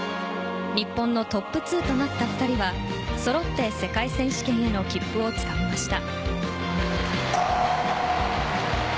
日本のトップ２となった２人はそろって世界選手権への切符をつかみました。